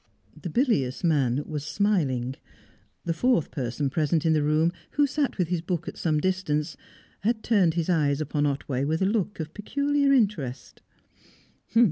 The bilious man was smiling. The fourth person present in the room, who sat with his book at some distance, had turned his eyes upon Otway with a look of peculiar interest.